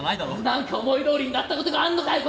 何か思いどおりになったことがあんのかよ